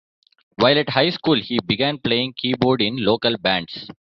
While at high school he began playing keyboard in local bands.